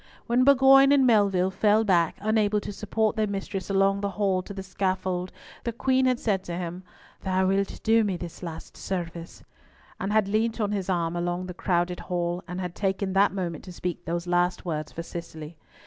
When Bourgoin and Melville fell back, unable to support their mistress along the hall to the scaffold, the Queen had said to him, "Thou wilt do me this last service," and had leant on his arm along the crowded hall, and had taken that moment to speak those last words for Cicely.